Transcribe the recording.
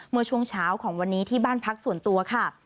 เมื่อช่วงเช้าของวันนี้ที่บ้านพักส่วนตัวค่ะ